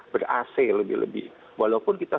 ber ac lebih lebih walaupun kita